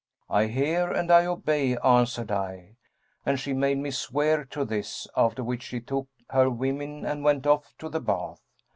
'I hear and I obey,' answered I, and she made me swear to this; after which she took her women and went off to the bath.